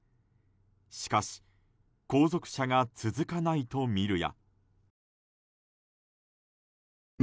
しかし後続車が続かないとみるや。